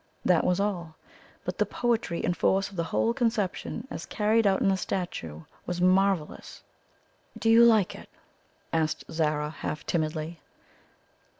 That was all. But the poetry and force of the whole conception as carried out in the statue was marvellous. "Do you like it?" asked Zara, half timidly.